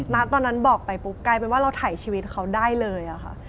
ณตอนนั้นบอกไปปุ๊บกลายเป็นว่าเราถ่ายชีวิตเขาได้เลยค่ะ